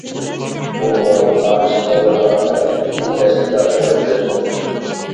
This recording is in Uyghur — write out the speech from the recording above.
ئۇ ئورۇق، ئاجىز قوللىرىغا تايىنىپ مىڭ تەسلىكتە ئورنىدىن تۇردى.